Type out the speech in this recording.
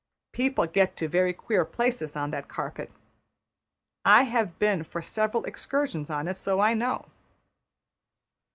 People get to very queer places on that carpet. I have been for several excursions on it, so I know.